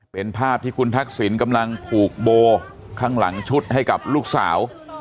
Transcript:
เป็นภาพที่คุณทักษิณกำลังผูกโบข้างหลังชุดให้กับลูกสาว